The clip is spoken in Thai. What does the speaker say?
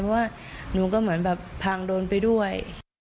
เพราะว่าหนูก็เหมือนแบบพังโดนไปด้วย